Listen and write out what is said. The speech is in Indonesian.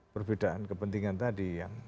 perbedaan kepentingan tadi yang